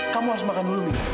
kamu harus makan dulu nih